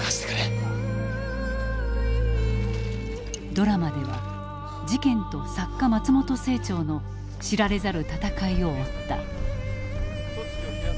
ドラマでは事件と作家松本清張の知られざる闘いを追った。